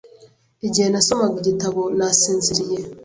Igihe nasomaga igitabo, nasinziriye .